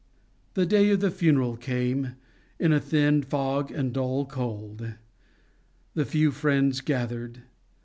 The day of the funeral came, in thin fog and dull cold. The few friends gathered.